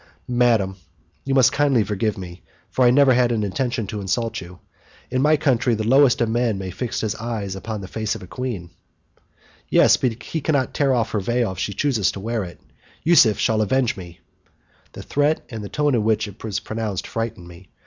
"Madam, you must kindly forgive me, for I never had any intention to insult you. In my country the lowest of men may fix his eyes upon the face of a queen." "Yes, but he cannot tear off her veil, if she chooses to wear it. Yusuf shall avenge me." The threat, and the tone in which it was pronounced, frightened me.